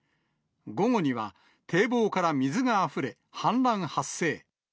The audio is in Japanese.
午後には、堤防から水があふれ、氾濫発生。